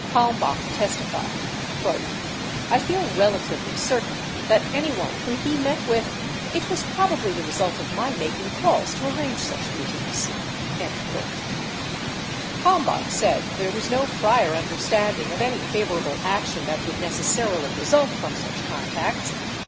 Kalmbach testified : "I feel relatively certain that anyone who he met with, it was probably the result of my making calls to arrange such meetings." 96 Kalmbach said there was no prior understanding of any favorable action that would necessarily result from such contacts.